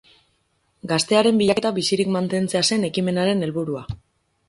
Gaztearen bilaketa bizirik mantentzea zen ekimenaren helburua.